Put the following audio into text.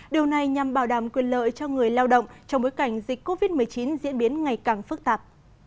điều này nhằm bảo đảm quyền lợi cho người lao động trong bối cảnh dịch covid một mươi chín diễn biến ngày càng phức tạp